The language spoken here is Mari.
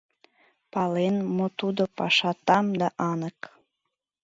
Пален, мо тудо — паша там да анык.